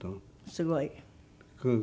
すごい。